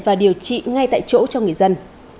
và điều trị ngay tại chỗ cho người dân